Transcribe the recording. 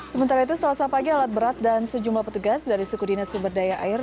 sementara itu selasa pagi alat berat dan sejumlah petugas dari suku dinas sumber daya air